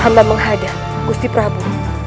hamba menghadah gusti prabu